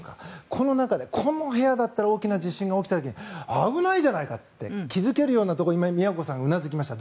この中でこの部屋だったら大きな地震が起きた時に危ないじゃないかって気付けるようなところ今、京さんがうなずきました。